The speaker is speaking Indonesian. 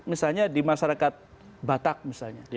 misalnya di masyarakat batak misalnya